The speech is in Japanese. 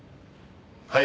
はい。